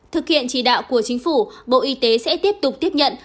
thực hiện chỉ đạo của chính phủ bộ y tế sẽ tiếp tục tiếp nhận